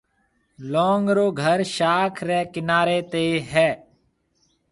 لونگ رو گهر شاخ ريَ ڪناريَ تي هيَ۔